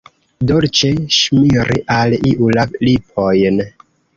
Dolĉe ŝmiri al iu la lipojn.